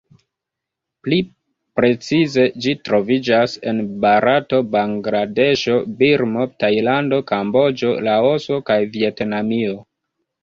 Pli precize ĝi troviĝas en Barato, Bangladeŝo, Birmo, Tajlando, Kamboĝo, Laoso kaj Vjetnamio.